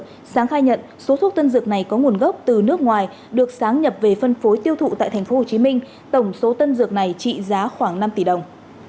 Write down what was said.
phù a sáng khai nhận số thuốc tân dược này có nguồn gốc từ nước ngoài được sáng nhập về phân phối tiêu thụ tại thành phố hồ chí minh tổng số tân dược này trị giá khoảng năm tỷ đồng